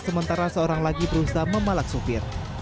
sementara seorang lagi berusaha memelak sopir